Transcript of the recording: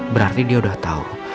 berarti dia udah tau